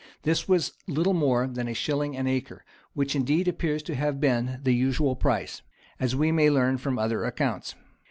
[] This was little more than a shilling an acre, which indeed appears to have been the usual price, as we may learn from other accounts.